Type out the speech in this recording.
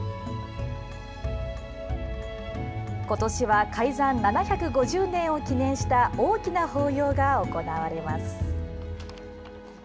ことしは開山７５０年を記念した大きな法要が行われます。